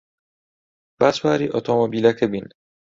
با سواری ئۆتۆمۆبیلەکە بین.